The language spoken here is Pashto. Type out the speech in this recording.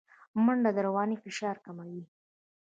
منډه د رواني فشار کموي